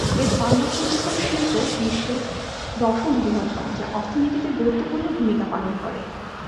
এর ফার্মাসিউটিক্যাল শিল্প বিশ্বের দশম বৃহত্তম, যা অর্থনীতিতে গুরুত্বপূর্ণ ভূমিকা পালন করে।